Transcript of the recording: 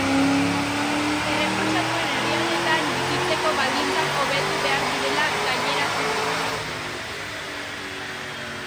Errefuxiatuen herrialdeetan bizitzeko baldintzak hobetu behar direla gaineratu du.